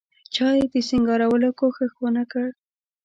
چا یې د سینګارولو کوښښ ونکړ.